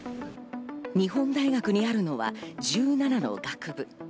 日本大学にあるのは１７の学部。